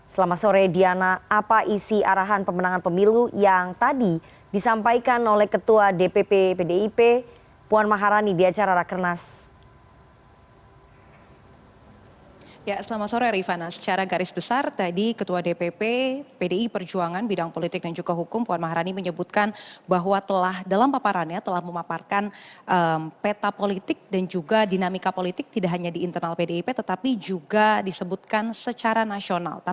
selama sore diana apa isi arahan pemenangan pemilu yang tadi disampaikan oleh ketua dpp pdip puan maharani di acara rakernas